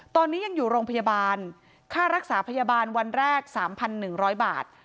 ตอนนี้ยังอยู่โรงพยาบาลค่ารักษาพยาบาลวันแรก๓๑๐๐บาท